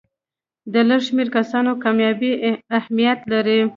د لږ شمېر کسانو کامیابي اهمیت لري.